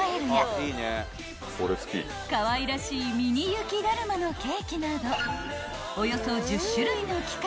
［かわいらしいミニ雪だるまのケーキなどおよそ１０種類の期間